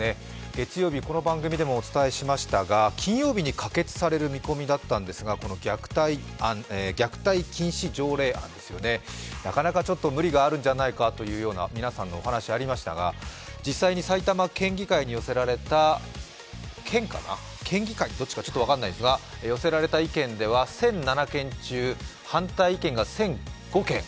月曜日、この番組でもお伝えしましたが金曜日に可決される見込みだったんですが虐待禁止条例案ですよね、なかなか無理があるんじゃないかという皆さんのお話、ありましたが実際に埼玉県議会に寄せられた、県かな、県議会に寄せられた意見では１００７件中、反対意見が１００５件。